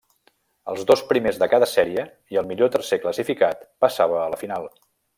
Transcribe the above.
Els dos primers de cada sèrie i el millor tercer classificat passava a la final.